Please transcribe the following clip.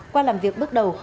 qua làm việc bước đầu